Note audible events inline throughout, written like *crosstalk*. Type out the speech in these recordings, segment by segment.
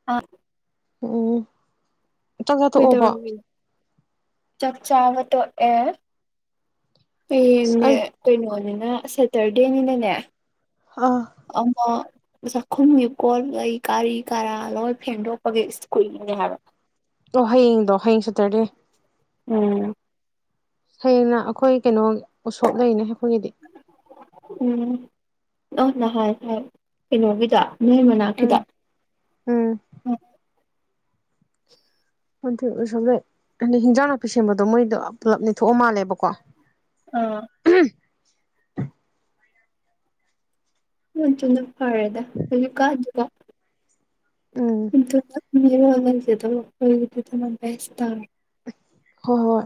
*inaudible* ꯑꯣ ꯀꯩꯗꯧꯔꯝꯃꯤꯅꯣ ꯆꯥꯛ ꯆꯕ ꯇꯣꯛꯑꯦ ꯑꯁ ꯍꯌꯦꯡꯅꯦ ꯑꯩ ꯀꯩꯅꯣꯅꯤꯅ ꯁꯇ꯭ꯔꯗꯦꯅꯤꯅꯥ *inaudible* ꯑꯃꯥ ꯆꯥꯛꯈꯨꯝꯒꯤ ꯀꯣꯟꯒꯩ ꯀꯥꯔꯤ ꯀꯔꯥ ꯂꯣꯏ ꯐꯦꯡꯗꯣꯛꯄꯒꯦ ꯏꯁ ꯀꯨꯏꯕꯅꯦ ꯍꯥꯏꯕ ꯇ‌ꫭ ꯍꯌꯦꯡꯗꯣ ꯍꯌꯦꯡ ꯁꯇ꯭ꯔꯗꯦ ꯎꯝ ꯍꯌꯦꯡꯅ ꯑꯩꯈꯣꯏ ꯀꯩꯅꯣ ꯎꯁꯣꯞ ꯂꯩꯅꯦ ꯑꯩꯈꯣꯏꯒꯤꯗꯤ ꯎꯝ ꯅꯪ ꯅꯍꯥꯟ ꯍꯥꯏꯕ ꯀꯩꯅꯣꯒꯤꯗ ꯅꯣꯏ ꯃꯅꯥꯛ ꯎꯝ ꯎꯝ ꯍꯟꯇ ꯎꯁꯣꯞ ꯂꯩꯩ ꯑꯗꯩ ꯍꯤꯟꯖꯥꯡ ꯅꯥꯄꯤ ꯁꯦꯝꯕꯗꯣ ꯃꯣꯏꯗꯣ ꯄꯨꯂꯞ ꯅꯦꯊꯣꯛꯑ ꯃꯥꯜꯂꯦꯕꯀꯣ ꯑꯥ *unintelligible* ꯎꯝ *unintelligible* ꯍꯣꯏ ꯍꯣꯏ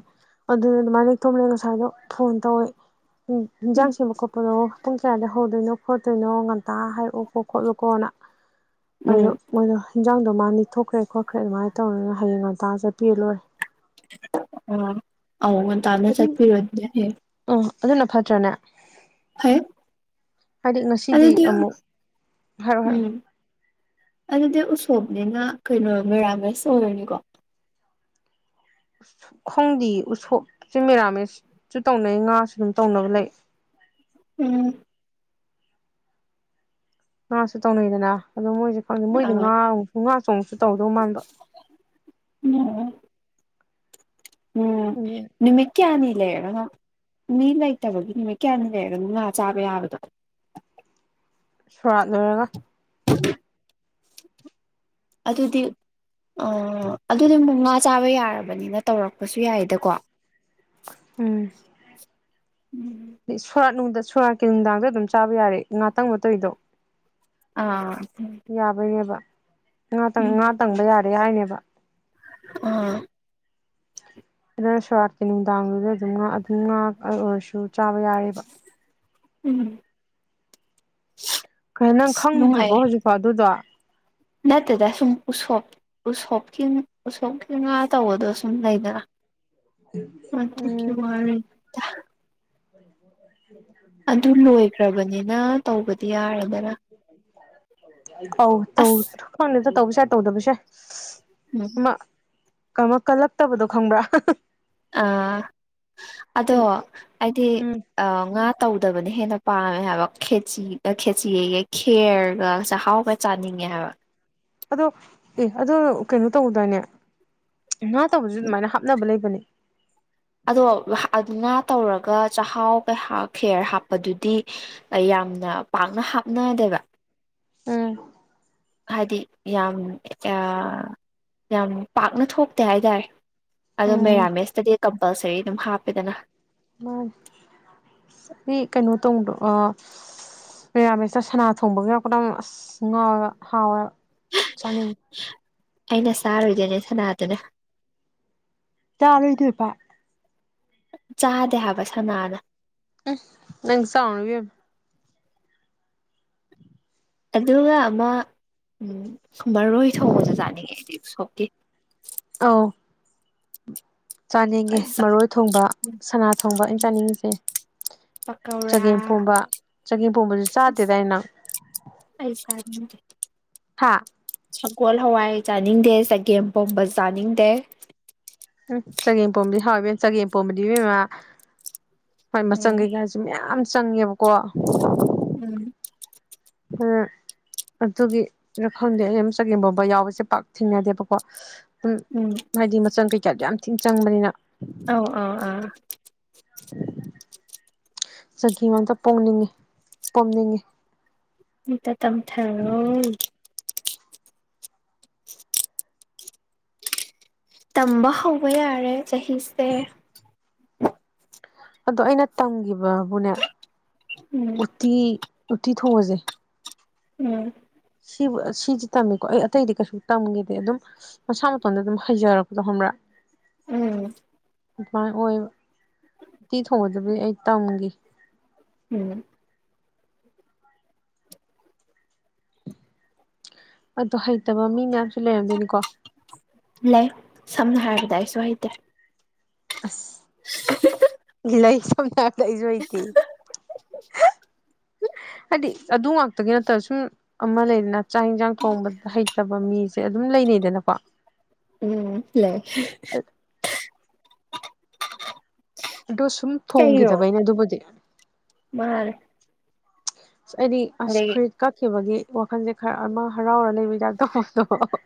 ꯑꯗꯨꯅ ꯑꯗꯨꯃꯥꯏꯅ ꯂꯤꯛꯇꯣꯝꯂ ꯉꯁꯥꯏꯗꯣ ꯐꯣꯟ ꯇꯧꯋꯦ ꯎꯝ ꯏꯟꯖꯥꯡ ꯁꯦꯝꯕ ꯈꯣꯠꯄꯗꯣ ꯄꯨꯡ ꯀꯌꯥꯗ ꯍꯧꯗꯣꯏꯅꯣ ꯈꯣꯠꯇꯣꯏꯅꯣ ꯉꯟꯇꯥ ꯍꯥꯏꯔꯛꯑꯣꯀꯣ ꯈꯣꯠꯂꯨꯀꯣꯅ ꯑꯗꯣ ꯎꯝ ꯃꯣꯏꯗꯣ ꯍꯤꯟꯖꯥꯡꯗꯣ ꯃꯥ ꯅꯤꯊꯣꯛ ꯈ꯭ꯔꯦ ꯈꯣꯈ꯭ꯔꯦꯠ ꯑꯗꯨꯃꯥꯏꯅ ꯇꯧꯅ ꯍꯌꯦꯡ ꯉꯟꯇꯥ ꯆꯠꯄꯤ ꯂꯣꯏꯔꯦ *unintelligible* ꯎꯝ ꯑꯗꯨꯅ ꯐꯠꯇ꯭ꯔꯅꯦ ꯐꯩ ꯍꯥꯏꯗꯤ ꯉꯁꯤꯗꯤ ꯑꯗꯨꯗꯤ ꯑꯃꯨꯛ ꯍꯥꯏꯔꯛꯑꯣ ꯎꯝ ꯍꯥꯏꯔꯛꯑꯣ ꯑꯗꯨꯗꯤ ꯎꯁꯣꯞꯅꯤꯅ ꯀꯩꯅꯣ ꯃꯦꯔꯥꯃꯦꯁ ꯑꯣꯏꯔꯅꯤꯀꯣ ꯈꯪꯗꯤꯌꯦ ꯎꯁꯣꯞꯁꯦ ꯃꯦꯔꯥꯃꯦꯁꯁꯨ ꯇꯧꯅꯩ ꯉꯥꯁꯨ ꯑꯗꯨꯝ ꯇꯧꯅꯕ ꯂꯩ ꯎꯝ ꯉꯥꯁꯨ ꯇꯧꯅꯩꯗꯅ ꯑꯗꯣ ꯃꯣꯏꯁꯨ ꯈꯪꯗꯦ ꯃꯣꯏꯗꯤ ꯑꯥ ꯉꯥ ꯉꯥ ꯆꯣꯡꯉꯛꯁꯨ ꯇꯧꯗꯧ ꯃꯥꯟꯕ *unintelligible* ꯎꯝ ꯅꯨꯃꯤꯠ ꯀꯌꯥꯅꯤ ꯂꯩꯔꯒꯅꯣ ꯃꯤ ꯂꯩꯇꯕꯒꯤ ꯅꯨꯃꯤꯠ ꯀꯌꯥꯅꯤ ꯂꯩꯔꯒꯅꯣ ꯉꯥ ꯆꯥꯕ ꯌꯥꯕꯗꯣ ꯁꯨꯔꯥꯠ ꯂꯣꯏꯔꯒ ꯑꯗꯨꯗꯤ ꯑꯣ ꯑꯗꯨꯗꯤ ꯃꯨꯛ ꯉꯥ ꯆꯥꯕ ꯌꯥꯔꯕꯅꯤꯅ ꯇꯧꯔꯛꯄꯁꯨ ꯌꯥꯏꯗꯀꯣ ꯎꯝ ꯎꯝ ꯁꯣꯔꯥꯠ ꯅꯨꯡ ꯁꯣꯔꯥꯠꯀꯤ ꯅꯨꯡꯗꯥꯡꯗ ꯑꯗꯨꯝ ꯆꯥꯕ ꯌꯥꯔꯦ ꯉꯥꯇꯪꯕ ꯇꯧꯔꯤꯗꯣ ꯑꯥ ꯌꯥꯕꯩꯅꯦꯕ ꯉꯥꯇꯪ ꯎꯝ ꯉꯥ ꯇꯪꯕ ꯌꯥꯔꯦ ꯍꯥꯏꯅꯦꯕ ꯑꫭ ꯑꯗꯨꯗ ꯁꯣꯔꯠꯀꯤ ꯅꯨꯡꯗꯥꯡꯗꯨꯗ ꯑꯗꯨꯝ ꯉꯥ ꯑꯗꯨꯝ ꯉꯥ ꯑꯣꯏꯔꯁꯨ ꯆꯥꯕ ꯌꯥꯔꯦꯕ ꯎꯝ *unintelligible* ꯀꯩꯅꯣ ꯅꯪ ꯑꯁ ꯈꯪꯗ꯭ꯔꯤꯕꯣ ꯅꯨꯡꯉꯥꯏꯌꯦ ꯍꯧꯖꯤꯛꯐꯥꯎ ꯑꯗꯨꯗꯣ ꯅꯠꯇꯦꯗ ꯁꯨꯝ ꯎꯁꯣꯞ ꯎꯁꯣꯞꯀꯤ ꯎꯁꯣꯞꯀꯤ ꯉꯥ ꯇꯧꯕꯗꯣ ꯁꯨꯝ ꯂꯩꯗꯅ ꯑꯗꯨꯒꯤ ꯎꯝ ꯋꯔꯤꯅꯤ ꯗ *inaudible* ꯑꯗꯨ ꯂꯣꯏꯈ꯭ꯔꯕꯅꯤꯅ ꯇꯧꯕꯗꯤ ꯌꯥꯔꯦꯗꯅ ꯑꯧ ꯇꯧ ꯑꯁ ꯈꯟꯗꯦꯗ ꯇꯧꯕꯁꯨ ꯌꯥꯏ ꯇꯧꯗꯕꯁꯨ ꯌꯥꯢ ꯎꯝ ꯑꯃ ꯀꯃ ꯀꯜꯂꯛꯇꯕꯗꯣ ꯈꯪꯕ꯭ꯔꯥ *unintelligible* ꯑꯥ ꯑꯗꯣ ꯑꯩꯗꯤ ꯎꯝ ꯑ ꯉꯥ ꯇꯧꯗꯕꯅ ꯍꯦꯟꯅ ꯄꯥꯝꯃꯦ ꯍꯥꯏꯕ ꯈꯦꯆꯤ ꯈꯦꯆꯤ ꯑꯌꯦ ꯈꯦꯔꯒ ꯆꯥꯛꯍꯥꯎꯒ ꯆꯥꯅꯤꯡꯉꯦ ꯍꯥꯏꯕ ꯑꯗꯣ ꯑꯦ ꯑꯗꯣ ꯀꯩꯅꯣ ꯇꯧꯗꯥꯏꯅꯦ ꯉꯥ ꯇꯧꯕꯁꯨ ꯑꯗꯨꯃꯥꯏꯅ ꯍꯥꯞꯅꯕ ꯂꯩꯕꯅꯦ ꯑꯗꯣ ꯑꯍꯥ ꯉꯥ ꯇꯧꯔꯒ ꯆꯥꯛꯍꯥꯎꯒ ꯍꯥ ꯈꯦꯔ ꯍꯥꯞꯄꯗꯨꯗꯤ ꯑ ꯌꯥꯝꯅ ꯄꯥꯛꯅ ꯍꯥꯞꯅꯗꯦꯕ ꯎꯝ ꯍꯥꯏꯗꯤ ꯌꯥꯝ ꯌꯥ ꯌꯥꯝ ꯄꯥꯛꯅ ꯊꯣꯛꯇꯦ ꯍꯥꯏꯇꯥꯔꯦ ꯑꯗꯣ ꯎꯝ ꯃꯦꯔꯥꯃꯦꯁꯇꯗꯤ ꯀꯝꯄꯜꯁꯔꯤ ꯑꯗꯨꯝ ꯍꯥꯞꯄꯦꯗꯅ ꯎꯝ ꯁꯤ ꯀꯩꯅꯣ ꯇꯨꯡꯗ꯭ꯔꯣ ꯑ ꯃꯦꯔꯥꯃꯦꯁꯇ ꯁꯅꯥ ꯊꯣꯡꯕꯒ ꯌꯥꯎꯔꯛꯄꯗꯪ ꯑꯁ ꯉꯥꯎꯋꯦꯕ ꯍꯥꯎꯋꯦꯕ ꯆꯥꯅꯤꯡꯉꯤ ꯑꯩꯅ ꯆꯥꯔꯣꯏꯗꯣꯏꯅꯦ ꯁꯅꯥꯗꯨꯅꯦ ꯆꯥꯔꯨꯏꯗꯨꯏꯕ ꯆꯥꯗꯦ ꯍꯥꯏꯕ ꯁꯅꯥꯅ ꯎꯝ ꯅꯪ ꯆꯥꯎꯔꯨꯅꯨ ꯢꯕꯦꯝꯃ ꯑꯗꯨꯒ ꯑꯃ ꯃꯔꯣꯏ ꯊꯣꯡꯕꯁꯨ ꯆꯥꯅꯤꯡꯉꯦ ꯑꯩꯗꯤ ꯎꯁꯣꯞꯀꯤ ꯑꯧ ꯆꯥꯅꯤꯡꯉꯦ ꯐꯖ ꯃꯔꯣꯏ ꯊꯣꯡꯕ ꯁꯅꯥ ꯊꯣꯡꯕ ꯑꯩꯅ ꯆꯥꯅꯤꯡꯉꯤꯁꯦ ꯄꯀꯧꯔꯥ ꯆꯒꯦꯝ ꯄꯣꯝꯕ ꯆꯒꯦꯝ ꯄꯣꯝꯕꯁꯨ ꯑꯁ ꯆꯥꯗꯦꯗꯥꯏꯅꯦ ꯅꯪ ꯑꯩ ꯆꯥꯅꯤꯡꯗꯦ ꯍꯥ ꯁꯒꯣꯜ ꯍꯋꯥꯏ ꯆꯥꯅꯤꯡꯗꯦ ꯆꯒꯦꯝ ꯄꯣꯝꯕ ꯆꯥꯅꯤꯡꯗꯦ ꯎꯝ ꯆꯒꯦꯝ ꯄꯣꯝꯕꯗꯤ ꯍꯥꯎꯋꯤꯕꯦꯝ ꯆꯒꯦꯝ ꯄꯣꯝꯕꯗꯤ ꯏꯕꯦꯝꯃ ꯍꯣꯏ ꯃꯆꯪ ꯎꯝ ꯀꯩꯀꯥꯁꯨ ꯃꯌꯥꯝ ꯆꯪꯉꯦꯕꯀꯣ ꯎꯝ *unintelligible* ꯑꯗꯨꯒꯤ ꯅꯐꯪꯗꯦ ꯑꯩꯃ ꯆꯒꯦꯝ ꯄꫭꯡꯕ ꯌꯥꯎꯕꯁꯦ ꯄꯥꯛ ꯊꯦꯡꯅꯗꯦꯕꯀꯣ ꯎꯝ ꯎꯝ ꯍꯥꯏꯗꯤ ꯃꯆꯪ ꯀꯩꯀꯥꯗꯣ ꯌꯥꯝ ꯊꯤꯅ ꯆꯪꯕꯅꯤꯅ ꯑꯥꯎ ꯑꯥꯎ ꯑꯥ ꯆꯒꯦꯝ ꯑꯝꯇ ꯄꯣꯡꯅꯤꯡꯉꯦ ꯄꯣꯝꯅꯤꯡꯉꯦ ꯃꯤꯠꯇ ꯇꯝꯊꯔꫭ *inaudible* ꯇꯝꯕ ꯍꯧꯕ ꯌꯥꯔꯦ ꯆꯍꯤꯁꯦ ꯑꯗꯣ ꯑꯩꯅ ꯇꯝꯒꯤꯕꯕꯨꯅꯦ ꯎꯝ ꯇꯤ ꯎꯇꯤ ꯊꯣꯡꯕꯖꯦ ꯎꯝ ꯁꯤꯕꯨ ꯑ ꯁꯤꯖꯤ ꯇꯝꯃꯤꯀꯣ ꯑꯩ ꯑꯇꯩꯗꯤ ꯀꯩꯁꯨꯝ ꯇꯝꯒꯤꯗꯦ ꯑꯗꯨꯝ ꯃꯁꯥ ꯃꯇꯣꯟꯗ ꯑꯗꯨꯝ ꯍꯩꯖꯔꯛ ꯗꯣ ꯍꯪꯕ꯭ꯔꯥ ꯎꯝ ꯑꯗꯨꯃꯥꯏꯅ ꯑꯣꯏꯕ ꯎꯇꯤ ꯊꯣꯡꯕꯗꯨꯕꯨꯗꯤ ꯑꯩ ꯇꯝꯒꯤ ꯎꯝ ꯑꯗꯨ ꯍꯩꯇꯕ ꯃꯤ ꯃꯌꯥꯝꯁꯨ ꯂꯩꯔꯝꯗꯣꯏꯅꯤꯀꯣ ꯂꯩ ꯁꯝꯅ ꯍꯥꯏꯔꯕꯗ ꯑꯩꯁꯨ ꯍꯩꯇꯦ ꯑꯁ ꯂꯩ ꯁꯝꯅ ꯍꯥꯏꯔ ꯗ ꯑꯩꯖꯨ ꯍꯩꯇꯦꯌꯦ *unintelligible* ꯍꯥꯏꯗꯤ ꯑꯗꯨ ꯉꯥꯛꯇꯒꯤ ꯅꯠꯇꯅ ꯁꯨꯝ ꯑꯃ ꯂꯩꯗꯅ ꯆꯥꯛ ꯌꯦꯟꯁꯥꯡ ꯊꯣꯡꯕ ꯍꯩꯇꯕ ꯃꯤꯁꯦ ꯑꯗꯨꯝ ꯂꯩꯅꯩꯗꯅꯀꯣ ꯎꯝ ꯂꯩ ꯑꯗꯨ ꯁꯨꯝ ꯀꯩꯔꯣ ꯊꯣꯡꯈꯤꯗꯕꯩꯅꯤ ꯑꯗꯨꯕꯨꯗꯤ ꯃꯥꯅꯦ ꯑꯁ ꯑꯩꯗꯤ ꯑꯁ ꯑꯗꯒꯤ ꯐꯨꯔꯤꯠ ꯀꯛꯈꯤꯕꯒꯤ ꯋꯥꯈꯜꯁꯦ ꯈꯔ ꯑꯃ ꯍꯔꯥꯎꯔ ꯂꯩꯕꯒꯤ ꯗꯥꯞ ꯇꯧꯕꯗꯣ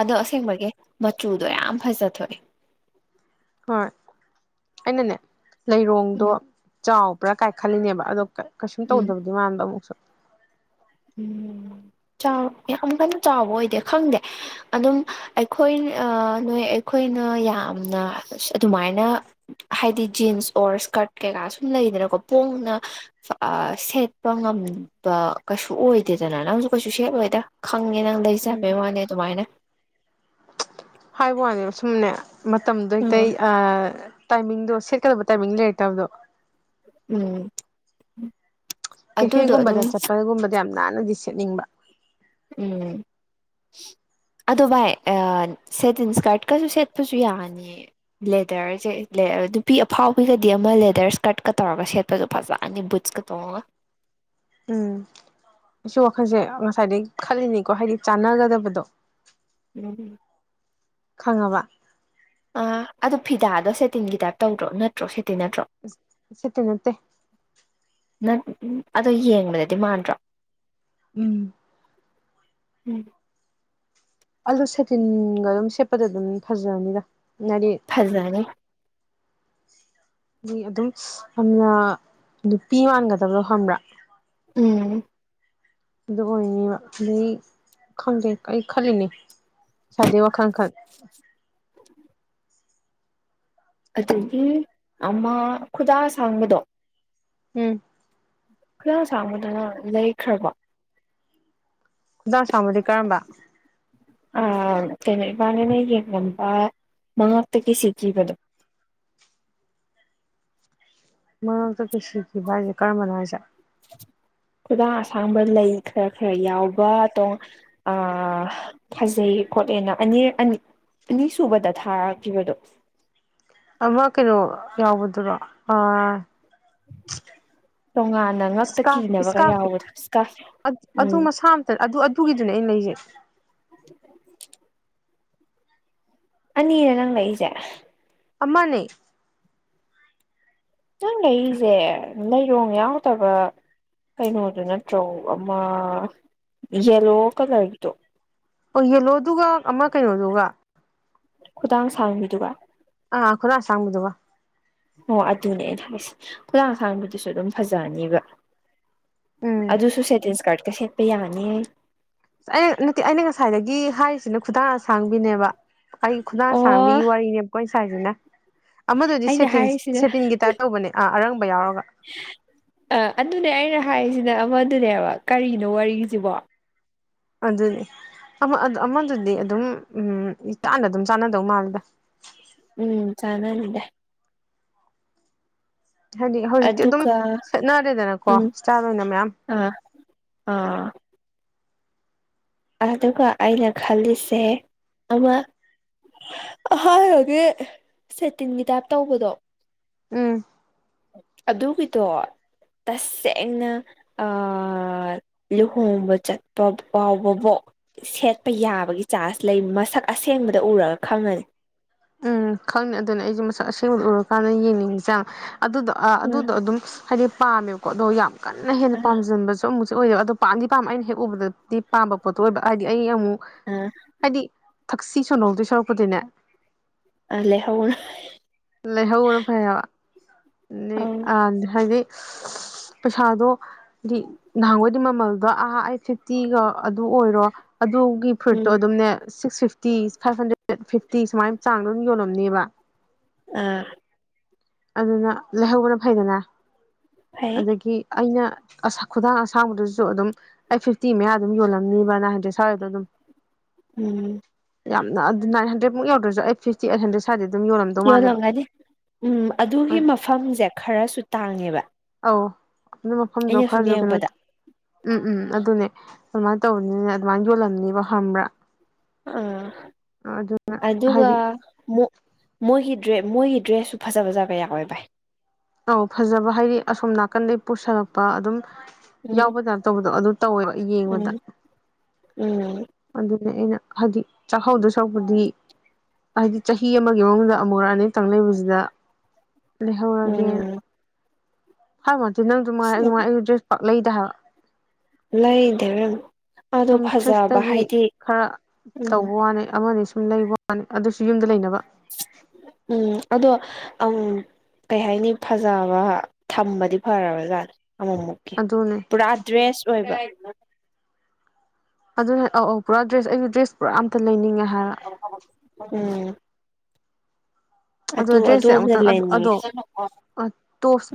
ꯑꯗꯣ ꯑꯁꯦꯡꯕꯒꯤ ꯃꯆꯨꯗꯣ ꯌꯥꯝ ꯐꯖꯊꯣꯛꯑꯦ꯫ ꯍꯣꯏ ꯑꯩꯅꯅꯦ ꯂꯩꯔꯣꯡꯗꯣ ꯎꯝ ꯆꯥꯎꯕ꯭ꯔꯥ ꯀꯥꯏꯈꯟꯂꯤꯅꯦꯕ ꯑꯗꯣ ꯀꯩꯁꯨꯝ ꯎꯝ ꯇꯧꯗꯕꯗꯤ ꯃꯥꯟꯕ ꯑꯃꯨꯛꯁꯨ ꯎꯝ ꯆꯥꯎ ꯌꯥꯝ ꯀꯟꯅ ꯆꯥꯎꯕ ꯑꯣꯏꯗꯦ ꯈꯪꯗꯦ ꯑꯗꯨꯝ ꯑꯩꯈꯣꯏ ꯑꯥ ꯅꯣꯏ ꯑꯩꯈꯣꯏꯅ ꯌꯥꯝꯅ ꯑꯗꯨꯃꯥꯏꯅ ꯍꯥꯏꯗꯤ ꯖꯤꯟꯁ ꯑꯣꯔ ꯏꯁꯀꯔꯠ ꯀꯩꯀꯥ ꯁꯨꯝ ꯂꯩꯗꯅꯀꯣ ꯄꯣꯡꯅ ꯑꯥ ꯁꯦꯠꯄ ꯉꯝꯕ ꯀꯩꯁꯨ ꯑꯣꯏꯗꯦꯗꯅ ꯅꯪꯁꯨ ꯀꯩꯁꯨ ꯁꯦꯠꯂꯣꯏꯗ ꯈꯪꯉꯦ ꯅꯪ ꯎꯝ ꯂꯩꯖꯕꯩ ꯋꯥꯅꯦ ꯑꯗꯨꯃꯥꯏꯅ ꯍꯥꯏꯕ ꯋꯥꯅꯦꯕ ꯁꯨꯝꯅꯦ ꯃꯇꯝꯗꯣ ꯑꯇꯩ ꯎꯝ ꯑꯥ ꯇꯥꯏꯃꯤꯡꯗꯣ ꯁꯦꯠꯀꯗꯧꯕ ꯇꯥꯏꯃꯤꯡ ꯂꯩꯔ ꯇꯕꯗꯣ ꯎꯝ ꯑꯗꯨꯗꯣ ꯑꯗꯨꯝ ꯀꯦꯐꯦꯒꯨꯝꯕꯗ ꯆꯠꯄꯒꯨꯝꯕꯗ ꯌꯥꯝ ꯅꯥꯟꯅꯗꯤ ꯁꯦꯠꯅꯤꯡꯕ ꯎꯝ ꯑꯗꯣ ꯚꯥꯏ ꯁꯦꯇꯤꯟ ꯏꯁꯀꯥꯔꯠꯀꯁꯨ ꯁꯦꯠꯄꯁꯨ ꯌꯥꯅꯤꯌꯦ ꯂꯦꯗꯔꯁꯦ ꯅꯨꯄꯤ ꯑꯐꯥꯎꯕꯤꯒꯗꯤ ꯑꯃ ꯂꯦꯗꯔ ꯏꯁ꯭ꯀꯔꯠꯀ ꯇꯧꯔꯒ ꯁꯦꯠꯄꯗꯣ ꯐꯖꯅꯤ ꯕꯨꯠ ꯕꯨꯠꯀ ꯇꯣꯡꯉꯥ ꯎꯝ ꯑꯩꯁꯨ ꯋꯥꯈꯜꯁꯦ ꯉꯁꯥꯏꯗꯒꯤ ꯈꯜꯂꯤꯅꯤꯀꯣ ꯍꯥꯏꯗꯤ ꯆꯥꯟꯅꯒꯗꯕꯗꯣ ꯎꯝ ꯈꯪꯉꯕ ꯑ ꯑꯗ ꯐꯤꯗꯥꯗꯣ ꯁꯦꯇꯤꯟꯒꯤ ꯇꯥꯏꯞ ꯇꯧꯗ꯭ꯔꯣ ꯅꯠꯇ꯭ꯔꯣ ꯁꯦꯇꯤꯟ ꯅꯠꯇ꯭ꯔꯣ ꯁꯦꯇꯤꯟ ꯅꯠꯇꯦ ꯅꯪ ꯑꯗꯣ ꯌꯦꯡꯕꯗꯗꯤ ꯃꯥꯟꯗ꯭ꯔꯣ ꯎꯝ ꯎꯝ ꯑꯗꯣ ꯁꯦꯇꯤꯟꯒ ꯑꯗꯨꯝ ꯁꯦꯠꯄꯗ ꯑꯗꯨꯝ ꯐꯖꯅꯤꯗ ꯅꯥꯗꯤ ꯐꯖꯅꯤ ꯑꯗꯨꯝ ꯌꯥꯝꯅ ꯅꯨꯄꯤ ꯃꯥꯟꯒꯗꯕꯗꯣ ꯈꯪꯕ꯭ꯔꯥ ꯎꯝ ꯑꯗꯨ ꯑꯣꯏꯅꯦꯕ ꯑꯗꯩ ꯈꯪꯗꯦ ꯑꯩ ꯈꯜꯂꯤꯅꯦ ꯉꯥꯏꯗꯩ ꯋꯥꯈꯜ ꯈꯟ ꯑꯗꯒꯤ ꯑꯃ ꯈꯨꯗꯥ ꯑꯁꯥꯡꯕꯗꯣ ꯎꯝ ꯈꯨꯗꯥꯡ ꯑꯁꯥꯡꯕꯗꯣ ꯅꯪ ꯂꯩꯈ꯭ꯔꯀꯣ ꯈꯨꯗꯥꯡ ꯁꯥꯥꯡꯕꯨꯗꯤ ꯀꯔꯝꯕ ꯑꯥ ꯀꯩꯅꯣ ꯏꯕꯥꯟꯅꯤꯅ ꯌꯦꯡꯕ ꯅꯨꯄꯥ ꯃꯉꯥꯛꯇ ꯀꯤꯁꯤ ꯀꯤꯕꯗꯣ ꯃꯉꯥꯛꯇ ꯀꯤꯁꯤ ꯀꯤꯕ ꯍꯥꯏꯁꯦ ꯀꯔꯝꯕꯅꯤ ꯍꯥꯏꯁꯦ ꯈꯨꯗꯥꯡ ꯑꯁꯥꯡꯕ ꯂꯩ ꯈꯔ ꯈꯔ ꯌꯥꯎꯕ ꯇꯦꯡ ꯑ ꯐꯥꯖꯩꯌꯦ ꯈꯣꯠꯂꯦꯅ ꯑꯅꯤ ꯑꯅꯤ ꯑꯅꯤꯁꯨꯨꯕꯗ ꯊꯥꯔꯛꯈꯤꯕꯗꯣ ꯑꯃ ꯀꯩꯅꯣ ꯌꯥꯎꯕꯗꯨꯔꯣ ꯑꯥ ꯇꯣꯉꯥꯟꯅ ꯉꯛꯇ ꯏꯁꯀꯥꯔꯐ ꯀꯤꯅꯕꯒ ꯏꯁꯀꯥꯔꯐ ꯌꯥꯎꯕꯗꯣ ꯏꯁꯀꯥꯞ ꯑꯗꯨ ꯎꯝ ꯃꯁꯥ ꯑꯝꯇ ꯑꯗꯨ ꯑꯗꯨꯒꯤꯗꯨꯅꯦ ꯑꯩꯅ ꯂꯩꯁꯦ ꯑꯅꯤꯔꯥ ꯅꯪ ꯂꯩꯔꯛꯏꯁꯦ ꯑꯃꯅꯦ ꯅꯪ ꯂꯩꯔꯤꯁꯦ ꯂꯩꯔꯣꯡ ꯌꯥꯎꯗꯕ ꯀꯩꯅꯣꯗꯨ ꯅꯠꯇ꯭ꯔꯣ ꯑꯃ ꯌꯦꯂꯣ ꯀꯂꯔꯒꯤꯗꯣ ꯑꯣ ꯌꯦꯂꯣꯗꯨꯒ ꯑꯃ ꯀꯩꯅꯣꯗꯨꯒ ꯈꯨꯗꯥꯡ ꯁꯥꯡꯕꯤꯗꯨꯒ ꯑ ꯈꯨꯗꯡꯥꯥ ꯑꯁꯥꯡꯕꯤꯗꯨꯒꯥ ꯑꯣ ꯑꯗꯨꯅꯦꯅ ꯍꯥꯏꯁꯦ ꯍꯂꯥꯡ ꯍꯛꯁꯥꯡꯗꯨꯗꯨꯁꯨ ꯑꯗꯨꯝ ꯐꯖꯅꯦꯕ ꯎꯝ ꯑꯗꯨꯁꯨ ꯁꯦꯇꯤꯟ ꯏꯁꯀꯥꯔꯠꯀ ꯁꯦꯠꯄ ꯌꯥꯅꯤ ꯑꯩ ꯑꯩ ꯅꯠꯇꯦ ꯑꯩꯅ ꯉꯁꯥꯏꯗꯒꯤ ꯍꯥꯏꯔꯤꯁꯤꯅ ꯈꯨꯗꯥꯡ ꯑꯁꯥꯡꯕꯤꯅꯦꯕ ꯑꯩ ꯈꯨꯗꯥꯡ ꯑꯣ ꯁꯥꯡꯕꯤꯒꯤ ꯋꯥꯔꯤꯅꯤ ꯑꯃꯨꯛꯀꯣꯏ ꯁꯥꯏꯁꯤꯅ ꯑꯃꯗꯨꯗꯤ ꯑꯩꯅ ꯁꯦꯇꯤꯟ ꯍꯥꯏꯔꯤꯁꯤꯅ ꯁꯦꯇꯤꯟꯒꯤ ꯇꯥꯏꯞ ꯇꯧꯕꯅꯦ ꯑꯥ ꯑꯔꯪꯕ ꯌꯥꯎꯔꯒ ꯑꯗꯨꯅꯦ ꯑꯩꯅ ꯍꯥꯏꯔꯤꯁꯤꯅ ꯑꯃꯗꯨꯅꯦꯕ ꯀꯔꯤꯅꯣ ꯋꯥꯔꯤꯁꯤꯕꯣ ꯑꯗꯨꯅꯤ ꯑꯃꯗꯨꯗꯤ ꯑꯗꯨꯝ ꯎꯝ ꯏ ꯇꯥꯟꯅ ꯑꯗꯨꯝ ꯆꯥꯟꯅꯗꯧ ꯃꯥꯜꯂꯦꯗ ꯎꯝ ꯆꯥꯟꯅꯗꯦ ꯍꯥꯏꯗꯤ ꯍꯧꯖꯤꯛꯇꯤ ꯑꯗꯨꯝ ꯑꯗꯨꯒ ꯁꯦꯠꯅꯔꯦꯗꯅꯀꯣ ꯎꯝ ꯏꯁꯇꯥꯜ ꯑꯣꯏꯅ ꯃꯌꯥꯝ ꯑꯥ ꯑꯥ ꯑꯗꯨꯒ ꯑꯩꯅ ꯈꯜꯂꯤꯁꯦ ꯑꯃ ꯍꯥꯟꯕꯥꯟꯕꯒꯤ ꯁꯦꯇꯤꯟꯒꯤ ꯇꯥꯏꯞ ꯇꯧꯕꯗꯣ ꯎꯝ ꯑꯗꯨꯒꯤꯗꯣ ꯇꯁꯦꯡꯅ ꯂꯨꯍꯣꯡꯕ ꯆꯠꯄ ꯐꯥꯎꯕ ꯕꯣꯛ ꯁꯦꯠꯄ ꯌꯥꯕꯒꯤ ꯆꯥꯟꯁ ꯂꯩ ꯃꯁꯛ ꯑꯁꯦꯡꯕꯗ ꯎꯔꯒ ꯈꯪꯉꯅꯤ ꯎꯝ ꯈꯪꯅꯤ ꯑꯗꯨꯅ ꯑꯩꯁꯦ ꯃꯁꯛ ꯑꯁꯦꯡꯕꯗ ꯎꯔꯀꯥꯟꯗ ꯌꯦꯡꯅꯤꯡꯉꯤꯁꯦ ꯑꯗꯨꯗꯣ ꯎꯝ ꯑꯗꯨꯗꯣ ꯑꯗꯨꯝ ꯍꯥꯏꯗꯤ ꯄꯥꯝꯃꯦꯕꯀꯣ ꯑꯗꯣ ꯌꯥꯝ ꯀꯟꯅ ꯍꯦꯟꯅ ꯄꯥꯝꯖꯟꯕꯁꯨ ꯁꯣ ꯑꯃꯨꯛꯁꯨ ꯑꯣꯏꯦꯕ ꯑꯗꯣ ꯄꯥꯝꯗꯤꯥꯝ ꯑꯩꯅ ꯍꯦꯛ ꯎꯕꯗꯗꯤ ꯄꯥꯝꯕ ꯄꯣꯠꯇꯣ ꯑꯣꯏꯕ ꯍꯥꯏꯗꯤ ꯑꯩ ꯑꯃꯨꯛ ꯑꯥ ꯍꯥꯏꯗꯤ ꯊꯛꯁꯤ ꯁꯣꯟꯅꯧꯗꯣꯏ ꯁꯧꯔꯛꯄꯗꯨꯅꯦ ꯑꯂꯦ ꯍꯧꯅ ꯂꯩꯍꯧꯔ ꯐꯩ ꯍꯥꯏꯕ ꯑ ꯍꯥꯏꯗꯤ ꯄꯩꯁꯥꯗꯣ ꯍꯥꯏꯗꯤ ꯅꯍꯥꯟꯋꯥꯣꯏꯗꯤ ꯃꯃꯜꯗꯣ ꯑꯥ ꯑꯩꯠ ꯐꯤꯐꯇꯤꯒ ꯑꯗꯨ ꯑꯣꯏꯔꯣ ꯑꯗꯨ ꯒꯤ ꯐꯨꯔꯤꯠꯇꯣ ꯎꯝ ꯑꯗꯨꯝꯅꯦ six fifty five hundred fifty ꯁꯨꯃꯥꯏꯅ ꯆꯥꯡꯗꯣ ꯑꯗꯨꯝ ꯌꯣꯜꯂꯝꯅꯦꯕ ꯎꯥ ꯑꯗꯨꯅ ꯂꯥꯏꯍꯧꯕꯅ ꯐꯩꯗꯅ ꯐꯩ ꯑꯗꯒꯤ ꯑꯩꯅ ꯈꯨꯗꯥꯡ ꯑꯁꯥꯡꯕꯗꯨꯁꯨ ꯑꯗꯨꯝ ꯑꯩ ꯐꯤꯐꯇꯤ ꯃꯌꯥ ꯑꯗꯨꯝ ꯌꯣꯜꯂꯝꯅꯤꯕ ꯅꯟꯗ꯭ꯔꯦꯠ ꯁ꯭ꯋꯥꯏꯗ ꯑꯗꯨꯝ ꯎꯝ ꯌꯥꯝꯅ ꯑꯗꯨ ꯏꯟ ꯍꯟꯗ꯭ꯔꯗꯃꯨ ꯌꯧꯗ꯭ꯔꯁꯨ ꯑꯩ ꯐꯤꯐꯇꯤ ꯑꯩꯠꯟꯗ꯭ꯔꯦ ꯑꯗꯨꯝ ꯌꯣꯟ ꯌꯣꯜꯂꯝꯒꯅꯤ ꯎꯝ ꯑꯗꯨꯒꯤ ꯃꯐꯝꯁꯦ ꯈꯔꯁꯨ ꯇꯥꯡꯉꯦꯕ ꯑꯧ ꯑꯗꯨꯅ ꯃꯐꯝꯗꯣ ꯑꯩꯅ ꯁꯨꯝ ꯈꯥꯔꯁꯨ ꯀꯩꯅꯣ ꯌꯦꯡꯉꯛꯄꯗ ꯎꯝ ꯎꯝ ꯑꯗꯨꯅꯦ ꯑꯗꯨꯃꯥꯏꯅ ꯇꯧꯕꯅꯤꯅ ꯑꯗꯨꯃꯥꯏꯅ ꯌꯣꯜꯂꯝꯅꯤꯕ ꯈꯪꯕ꯭ꯔꯥ ꯑꯥ ꯑꯗꯨꯅ ꯑꯗꯨꯒ ꯍꯥꯏꯗꯤ ꯃꯣꯏꯒꯤ ꯃꯣꯏꯒꯤ ꯗ꯭ꯔꯦꯁꯁꯨ ꯐꯖ ꯐꯖꯕ ꯀꯌꯥ ꯑꯣꯏ ꯚꯥꯏ ꯑꯧ ꯐꯖꯕ ꯍꯥꯏꯗꯤ ꯑꯁꯣꯝ ꯅꯥꯀꯟꯗꯒꯤ ꯄꯨꯁꯜꯂꯛꯄ ꯑꯗꯨꯝ ꯎꯝ ꯌꯥꯎꯕꯗꯥꯅ ꯇꯧꯕꯗꯣ ꯑꯗꯨ ꯇꯧꯋꯦꯕ ꯌꯦꯡꯕꯗ ꯎꯝ ꯎꯝ ꯑꯗꯨꯅ ꯑꯩꯅ ꯍꯥꯏꯗꯤ ꯆꯥꯛꯍꯧꯗ ꯁꯛꯄꯨꯗꯤ ꯍꯥꯏꯗꯤ ꯆꯍꯤ ꯑꯃꯒꯤ ꯃꯅꯨꯡꯗ ꯑꯃꯨꯛꯛ ꯑꯅꯤꯇꯪ ꯂꯩꯕꯁꯤꯗ ꯂꯩꯍꯧꯔꯒꯦ ꯎꯝ ꯍꯥꯏꯃꯗꯤꯦ ꯅꯪꯁꯨꯉꯥꯏꯉꯥꯏ ꯗ꯭ꯔꯦꯁ ꯄꯥꯛ ꯂꯩꯗ ꯍꯥꯏꯕ ꯂꯩꯙꯔ ꯁꯨꯝ ꯊ꯭ꯔꯤꯐꯇꯒꯤ ꯈꯔ ꯎꯝ ꯇꯧꯕ ꯋꯥꯅꯤ ꯑꯃꯅꯤ ꯁꯨꯝ ꯂꯩꯕ ꯃꯥꯅꯤ ꯑꯗꯨꯁꯨ ꯌꯨꯝꯗ ꯂꯩꯅꯕ ꯎꯝ ꯑꯗꯣ ꯑ ꯀꯩ ꯍꯥꯏꯅꯤ ꯐꯖꯕ ꯊꯝꯕꯗꯤ ꯐꯔꯣꯏ ꯖꯥꯠ ꯑꯃꯃꯨꯛ ꯑꯣꯀꯦ ꯑꯗꯨꯅꯦ ꯄꯨꯔꯥ ꯗ꯭ꯔꯦꯁ ꯑꯣꯏꯕ ꯑꯗꯨꯅꯦ ꯑꯧ ꯑꯧ ꯄꯨꯔꯥ ꯗ꯭ꯔꯦꯁ ꯑꯩꯁꯨ ꯗ꯭ꯔꯦꯁ ꯄꯨꯔꯥ ꯑꯝꯇ ꯂꯩꯅꯤꯡꯉꯦ ꯍꯥꯏꯔ ꯎꯝ ꯑꯗꯣ ꯑꯗꯨ ꯗ꯭ꯔꯦꯁꯁꯦ ꯑꯗꯣꯝꯗ ꯑꯃꯨꯛꯇꯪ ꯑꯗꯣ ꯂꯩꯅꯤꯡꯉꯦ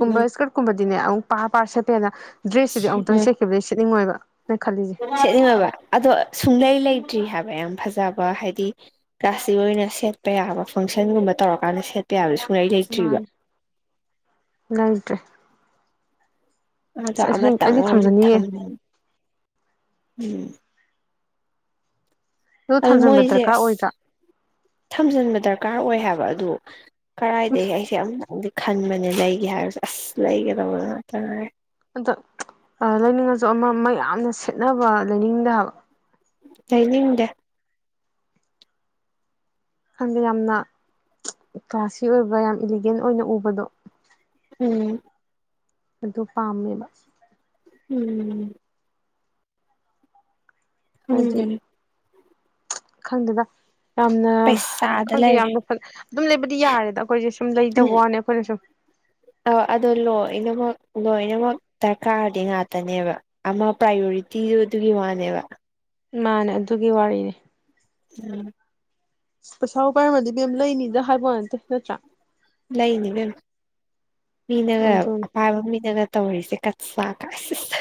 ꯎꯝ ꯏꯁꯀꯔꯠ ꯀꯨꯝꯕꯗꯤꯅꯦ ꯑꯃꯨꯛ ꯄꯥꯔ ꯄꯥꯔ ꯁꯦꯠꯄꯦꯅ ꯗ꯭ꯔꯦꯁꯁꯤꯗꯤ ꯎꯝ ꯑꯃꯨꯛꯇꯪ ꯁꯠꯈꯤꯕꯗꯒꯤ ꯁꯦꯠꯅꯤꯡꯉꯣꯏꯕꯅ ꯈꯜꯂꯤꯁꯦ ꯁꯦꯠꯅꯤꯡꯉꯕ ꯑꯗꯣ ꯁꯨꯡꯂꯩ ꯂꯩꯇ꯭ꯔꯤ ꯍꯥꯏꯕ ꯌꯥꯝ ꯐꯖꯕ ꯍꯥꯏꯗꯤ ꯀ꯭ꯂꯥꯇꯤꯛ ꯑꯣꯏꯅ ꯁꯦꯠꯄ ꯌꯥꯕ ꯐꯪꯁꯟꯒꯨꯝꯕ ꯇꯧꯔꯀꯥꯟꯗ ꯁꯦꯠꯄ ꯌꯥꯕꯁꯨ ꯃꯥ ꯉꯪꯗꯔꯤ ꯑꯗꯣ ꯑꯃ ꯑꯁꯦꯡ ꯇꯪ ꯑꯩꯗꯤ ꯑꯣꯏ ꯊꯝꯖꯅꯤꯡꯉꯦ ꯊꯝꯅꯤ ꯎꯝ ꯑꯗꯨ ꯑꯗꯣ ꯊꯝꯖꯤꯟꯕ ꯃꯣꯏꯁꯦ ꯗꯔꯀꯥꯔ ꯑꯁ ꯑꯣꯏꯗ꯭ꯔꯥ ꯊꯝꯖꯤꯟꯕ ꯗꯔꯀꯥꯔ ꯑꯣꯏ ꯍꯥꯏꯕ ꯑꯗꯨ ꯀꯗꯥꯏꯗꯒꯤ ꯑꯩꯁꯦ ꯑꯃꯝꯛꯇꯪꯗꯤ ꯈꯟꯕꯅꯦ ꯂꯩꯒꯦ ꯍꯥꯏꯔꯁꯨ ꯑꯁ ꯂꯩꯒꯗꯕꯣ ꯉꯥꯛꯇ ꯑꯗ ꯂꯩꯅꯤꯡꯉꯁꯨ ꯑꯃ ꯑꯃ ꯌꯥꯝꯅ ꯁꯦꯠꯅꯕ ꯂꯩꯅꯤꯡꯗ ꯍꯥꯏꯕ ꯂꯩꯅꯤꯡꯗꯦ ꯈꯪꯗꯦ ꯌꯥꯝꯅ ꯀ꯭ꯂꯥꯁꯤ ꯑꯣꯏꯕ ꯌꯥꯝ ꯏꯂꯤꯒꯦꯟ ꯑꯣꯏꯅ ꯎꯕꯗꯣ ꯎꯝ ꯑꯗꯨ ꯄꯥꯝꯃꯦꯕ ꯎꯝ ꯎꯝ ꯈꯪꯗꯗ ꯌꯥꯝꯅ ꯄꯩꯁꯥꯗ ꯈꯪꯗꯦ ꯂꯩꯔꯦ ꯌꯥꯝꯅ ꯑꯗꯨꯝ ꯂꯩꯕꯗꯤ ꯌꯥꯔꯦꯗ ꯑꯩꯈꯣꯏꯁꯦ ꯁꯨꯝ ꯎꯝ ꯂꯩꯇꯕ ꯋꯥꯅꯦ ꯑꯩꯈꯣꯏꯅꯁꯨꯨꯝ ꯑ ꯑꯗꯣ ꯂꯣꯏꯅꯃꯛ ꯂꯣꯏꯅꯃꯛ ꯗꯔꯀꯥꯔꯗꯤ ꯉꯥꯛꯇꯅꯦꯕ ꯑꯃ ꯄ꯭ꯔꯥꯏꯌꯣꯔꯤꯇꯤꯗꯨ ꯑꯗꯨꯒꯤ ꯋꯥꯅꯦꯕ ꯃꯥꯅꯦ ꯑꯗꯨꯒꯤ ꯋꯥꯔꯤꯅꯤ ꯎꯝ ꯄꯩꯁꯥꯕꯨ ꯄꯥꯏꯔꯝꯃꯗꯤ ꯕꯦꯝ ꯂꯩꯅꯤꯗ ꯍꯥꯏꯕ ꯋꯥ ꯅꯠꯇꯦ ꯅꯠꯇ꯭ꯔꯥ ꯂꯩꯅꯤꯕꯦꯝ ꯃꯤꯅꯒ ꯑꯗꯨꯅꯤ ꯑꯄꯥꯕ ꯃꯤꯅꯒ ꯇꯣꯏꯁꯤꯦ ꯀꯠ ꯁꯥ ꯀꯁꯤꯁ